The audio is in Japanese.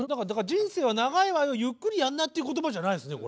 人生は長いわよゆっくりやんなっていう言葉じゃないですね